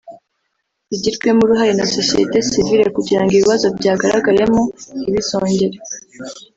zigirwemo uruhare na Sosiyete Sivile kugira ngo ibibazo byagaragayemo ntibizongere